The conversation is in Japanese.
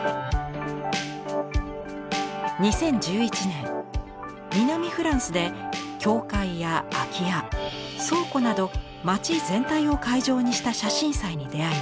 ２０１１年南フランスで教会や空き家倉庫など町全体を会場にした写真祭に出会います。